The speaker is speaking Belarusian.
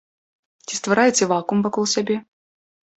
Ці ствараеце вакуум вакол сябе?